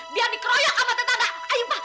biar dikeroyok sama tetangga